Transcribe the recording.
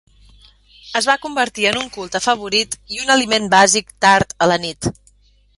Es va convertir en un culte favorit i un aliment bàsic tard a la nit.